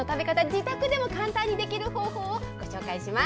自宅でも簡単にできる方法ご紹介します。